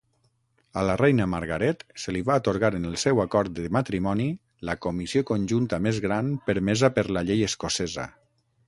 A la reina Margaret se li va atorgar en el seu acord de matrimoni la comissió conjunta més gran permesa per la llei escocesa.